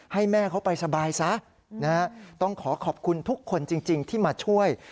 ให้แม่เขาไปสบายซะต้องขอขอบคุณทุกคนจริงที่มาช่วย